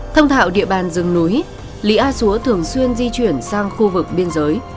thông thạo địa bàn rừng núi lý a xúa thường xuyên di chuyển sang khu vực biên giới